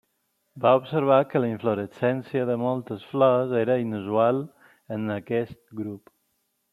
Va observar que la inflorescència de moltes flors era inusual en aquest grup.